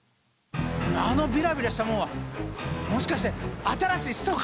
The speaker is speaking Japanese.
あのビラビラしたもんはもしかして新しい使徒か！？